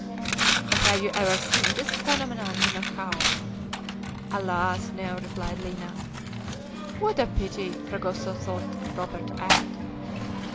"But have you ever seen this phenomenal minhocao?" "Alas, no!" replied Lina. "What a pity!" Fragoso thought it proper to add.